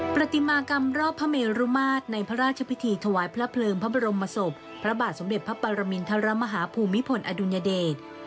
ปฏิมากรรมรอบพระเมรุมาตรในพระราชพิธีถวายพระเพลิงพระบรมศพพระบาทสมเด็จพระปรมินทรมาฮาภูมิพลอดุลยเดช